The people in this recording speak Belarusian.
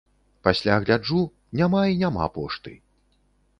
Пасля гляджу, няма і няма пошты.